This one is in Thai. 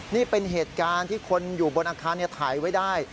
นี่เป็นเหตุการณ์ที่คนอยู่บนอาคารถ่ายไว้ได้